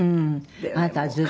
あなたはずっと。